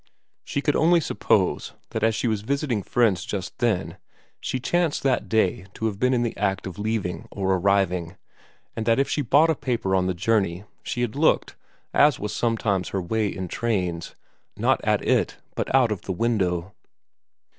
She could only suppose that as she was visiting friends just then, she chanced that day to have been in the act of leaving or arriving, and that if she bought a paper on the journey she had looked, as was sometimes her way in trains, not at it but out of the window.